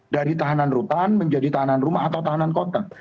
dari tahanan rutan menjadi tahanan rumah atau tahanan kota